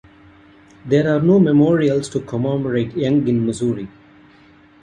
There are no memorials to commemorate Young in Mussoorie.